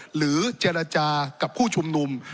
หรือเจรจากับผู้ชุมนุม